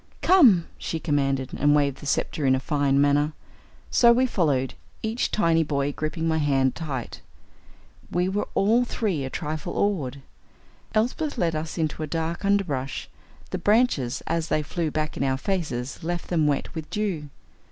"Come," she commanded, and waved the sceptre in a fine manner. So we followed, each tiny boy gripping my hand tight. We were all three a trifle awed. Elsbeth led us into a dark underbrush. The branches, as they flew back in our faces, left them wet with dew.